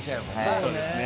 そうですね。